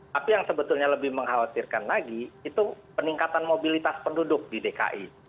tapi yang sebetulnya lebih mengkhawatirkan lagi itu peningkatan mobilitas penduduk di dki